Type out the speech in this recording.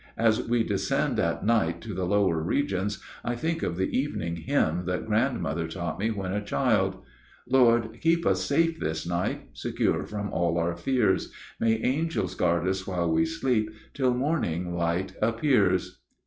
As we descend at night to the lower regions, I think of the evening hymn that grandmother taught me when a child: Lord, keep us safe this night, Secure from all our fears; May angels guard us while we sleep, Till morning light appears.